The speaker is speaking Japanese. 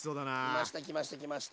きましたきましたきました。